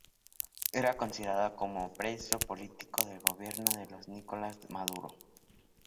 Era considerado como preso político del gobierno de Nicolás Maduro.